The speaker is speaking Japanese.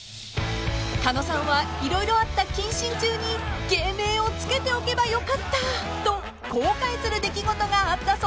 ［狩野さんは色々あった謹慎中に芸名をつけておけばよかったと後悔する出来事があったそうです］